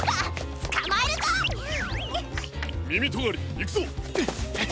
いくぞ！